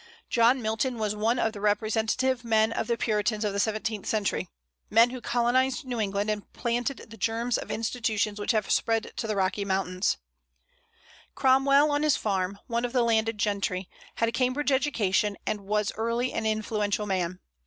John Milton was one of the representative men of the Puritans of the seventeenth century, men who colonized New England, and planted the germs of institutions which have spread to the Rocky Mountains, Cromwell on his farm, one of the landed gentry, had a Cambridge education, and was early an influential man.